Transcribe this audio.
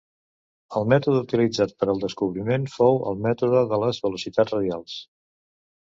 El mètode utilitzat per al descobriment fou el mètode de les velocitats radials.